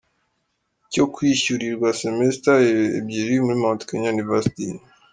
cyo kwishyurirwa semester ebyiri muri Mount Kenya Univesity.